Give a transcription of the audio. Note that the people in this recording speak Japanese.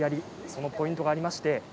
そのポイントがあります。